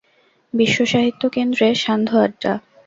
বিশ্বসাহিত্য কেন্দ্রে সান্ধ্য আড্ডা।